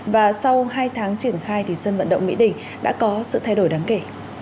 và sau hai tháng triển khai thì sân vận động mỹ đình đã có sự thay đổi đáng kể